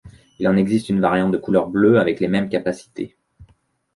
Il en existe une variante de couleur bleue avec les mêmes capacités.